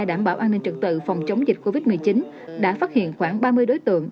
đảm bảo an ninh trật tự phòng chống dịch covid một mươi chín đã phát hiện khoảng ba mươi đối tượng